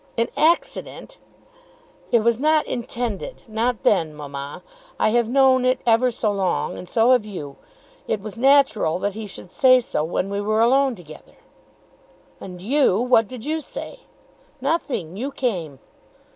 "An accident!" "It was not intended, not then, mamma. I have known it ever so long; and so have you. It was natural that he should say so when we were alone together." "And you; what did you say?" "Nothing. You came."